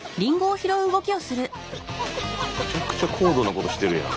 めちゃくちゃ高度なことしてるやん。